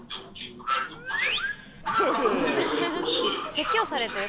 説教されてる？